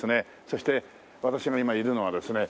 そして私の今いるのはですね